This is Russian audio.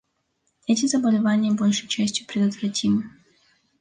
Эти заболевания большей частью предотвратимы.